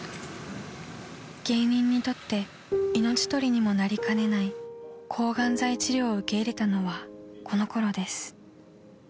［芸人にとって命取りにもなりかねない抗がん剤治療を受け入れたのはこのころです］